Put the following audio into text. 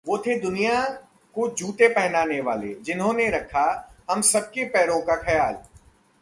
वो थे दुनिया को जूते पहनाने वाले, जिन्होंने रखा हम सबके पैरों का ख्याल